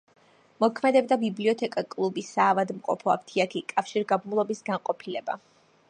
მოქმედებდა ბიბლიოთეკა, კლუბი, საავადმყოფო, აფთიაქი, კავშირგაბმულობის განყოფილება.